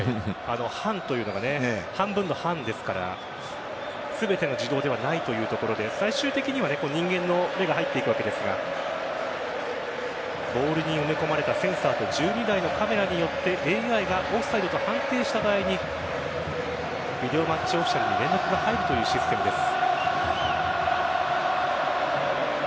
半というのが半分の半ですから全てが自動ではないというところで最終的には人間の目が入っていくわけですがボールに埋め込まれたセンサーと１２台のカメラによってＡＩがオフサイドと判定した場合にビデオマッチオフシャルに連絡が入るというシステムです。